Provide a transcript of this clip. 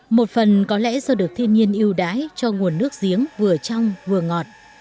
một phần có lẽ do được thiên nhiên ưu đãi cho nguồn nước giếng vừa trong vừa ngọt